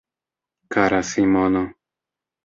Kara Simono.